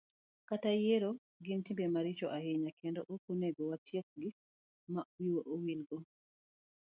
kata e yiero, gin timbe maricho ahinya kendo ok onego watiekgi ma wiwa wilgo.